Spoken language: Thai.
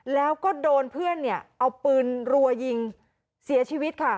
แล้วก็โดนเพื่อนเนี่ยเอาปืนรัวยิงเสียชีวิตค่ะ